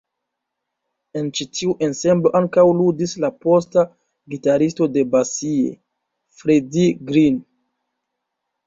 En ĉi tiu ensemblo ankaŭ ludis la posta gitaristo de Basie, Freddie Green.